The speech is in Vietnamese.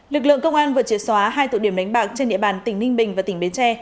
lực lượng công an vừa chia xóa hai tụ điểm đánh bạc trên địa bàn tỉnh ninh bình và tỉnh bến tre